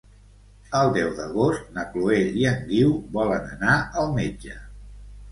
El deu d'agost na Chloé i en Guiu volen anar al metge.